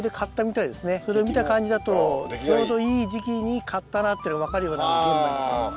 見た感じだとちょうどいい時期に刈ったなって分かるような玄米になってます。